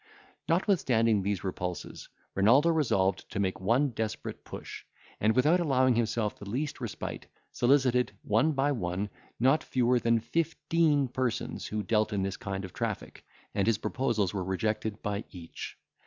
Notwithstanding these repulses, Renaldo resolved to make one desperate push; and, without allowing himself the least respite, solicited, one by one, not fewer than fifteen persons who dealt in this kind of traffic, and his proposals were rejected by each.